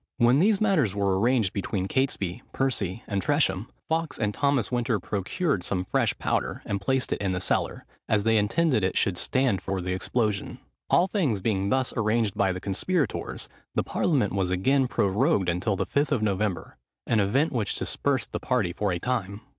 When these matters were arranged between Catesby, Percy, and Tresham, Fawkes and Thomas Winter procured some fresh powder, and placed it in the cellar, as they intended it should stand for the explosion. All things being thus arranged by the conspirators, the parliament was again prorogued until the Fifth of November; an event which dispersed the party for a time.